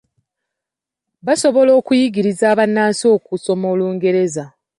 Baasobola okuyigiriza Bannansi okusoma Olungereza.